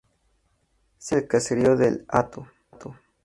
Se encuentra en el caserío El Hato.